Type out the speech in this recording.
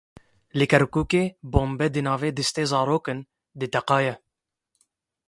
Li Kerkûkê bombe di nav destê zarokan de teqiya.